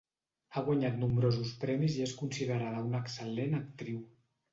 Ha guanyat nombrosos premis i és considerada una excel·lent actriu.